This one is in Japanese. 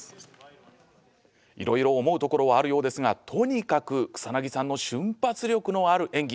いろいろ思うところはあるようですがとにかく草さんの瞬発力のある演技